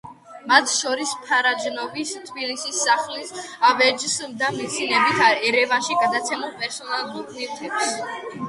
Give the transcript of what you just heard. მათ შორის, ფარაჯანოვის თბილისის სახლის ავეჯს და მისი ნებით ერევანში გადაცემულ პერსონალურ ნივთებს.